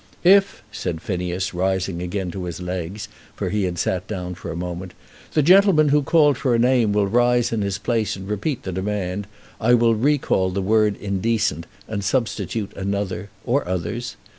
"If," said Phineas, rising again to his legs, for he had sat down for a moment, "the gentleman who called for a name will rise in his place and repeat the demand, I will recall the word indecent and substitute another, or others.